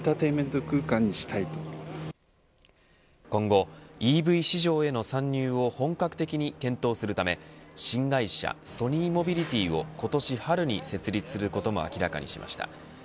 今後、ＥＶ市場への参入を本格的に検討するため新会社ソニーモビリティを今年春に設立することも明らかにしました。